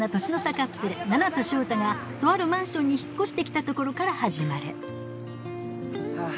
カップル菜奈と翔太がとあるマンションに引っ越して来たところから始まるハァ。